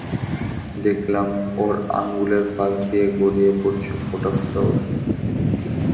দেখলাম, ওর আঙুলের ফাঁক দিয়ে গড়িয়ে পড়ছে ফোটা ফোটা অশ্রু।